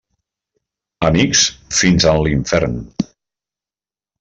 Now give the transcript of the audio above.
Amics, fins en l'infern.